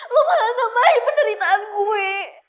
lu malah tambahin peneritaan gue